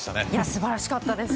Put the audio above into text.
素晴らしかったです。